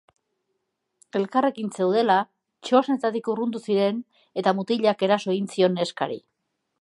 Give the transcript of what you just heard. Elkarrekin zeudela, txosnetatik urrundu ziren, eta mutilak eraso egin zion neskari.